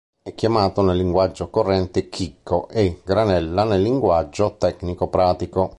È chiamato nel linguaggio corrente "chicco", e "granella" nel linguaggio tecnico-pratico.